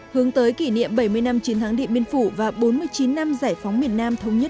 hướng tới kỷ niệm bảy mươi năm chiến thắng điện biên phủ và bốn mươi chín năm giải phóng miền nam thống nhất